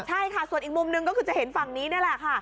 ใช่ค่ะส่วนอีกมุมหนึ่งก็คือจะเห็นฝั่งนี้นี่แหละค่ะ